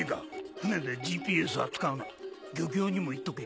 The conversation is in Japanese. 船でＧＰＳは使うな漁協にも言っとけ。